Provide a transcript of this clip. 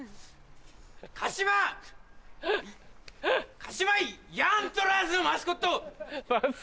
鹿島鹿島ヤントラーズマスコット。